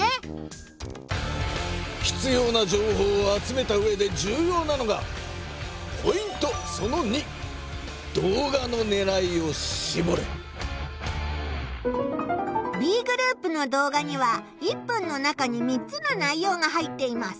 ひつような情報を集めたうえでじゅうようなのがＢグループの動画には１分の中に３つのないようが入っています。